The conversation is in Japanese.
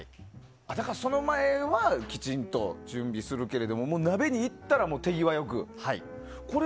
だから、その前はきちんと準備するけれども鍋に行ったら手際良く。